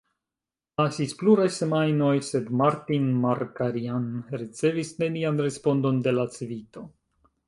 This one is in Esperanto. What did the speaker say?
Pasis pluraj semajnoj, sed Martin Markarian ricevis nenian respondon de la Civito.